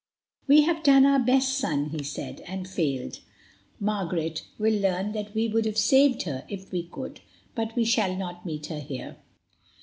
"We have done our best, son," he said, "and failed. Margaret will learn that we would have saved her if we could, but we shall not meet her here."